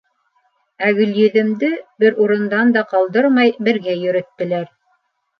Ә Гөлйөҙөмдө бер урындан да ҡалдырмай бергә йөрөттөләр.